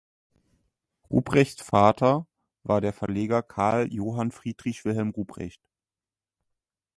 Ruprechts Vater war der Verleger Carl Johann Friedrich Wilhelm Ruprecht.